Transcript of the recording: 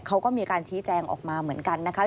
เขาก็มีการชี้แจงออกมาเหมือนกันนะคะ